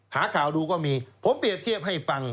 หาข่าวดูก็มีผมเปรียบเทียบให้ฟัง